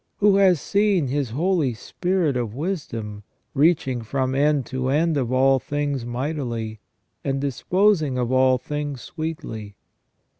Who has seen His Holy Spirit of wisdom, "reaching from end to end of all things mightily, and disposing of all things sweetly